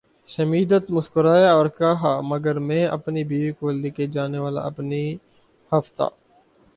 Schmidt مسکرایا اور کہا مگر میں اپنی بیوی کو لکھے جانے والے اپنے ہفتہ